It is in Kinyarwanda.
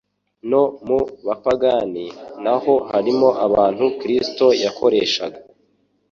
No mu bapagani na ho harimo abantu Kristo yakoreshaga